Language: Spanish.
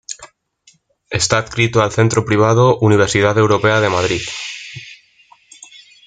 Está adscrito al centro privado Universidad Europea de Madrid.